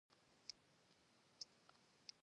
کرکټ د فټنس، صبر، او پلان جوړوني لوبه ده.